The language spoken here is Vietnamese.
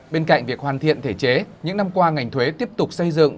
bên cạnh việc hoàn thiện thể chế những năm qua ngành thuế tiếp tục xây dựng